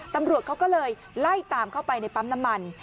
ตำรวจเขาก็เลยไล่ตามเข้าไปในปั๊มน้ำมัน